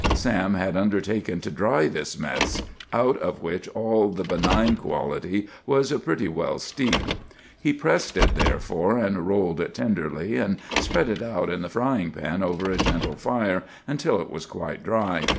Sam had undertaken to dry this mess, out of which all the benign quality was pretty well steeped. He pressed it therefore, and rolled it tenderly, and spread it out in the frying pan over a gentle fire, until it was quite dry.